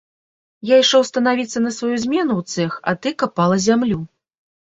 Я ішоў станавіцца на сваю змену ў цэх, а ты капала зямлю.